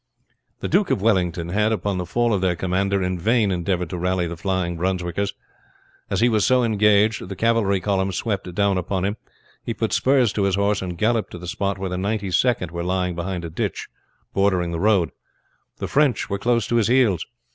The Duke of Wellington had, upon the fall of their commander, in vain endeavored to rally the flying Brunswickers. As he was so engaged the cavalry column swept down upon him. He put spurs to his horse and galloped to the spot where the Ninety second were lying behind a ditch bordering the road. The French were close to his heels.